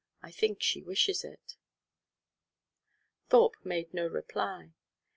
I think she wishes it." Thorpe made no reply.